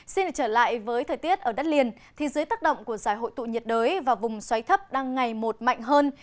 xin được trở lại với thời tiết ở đất liền thì dưới tác động của giải hội tụ nhiệt đới và vùng xoáy thấp đang ngày một mạnh hơn